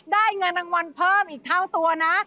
เงินรางวัลเพิ่มอีกเท่าตัวนะ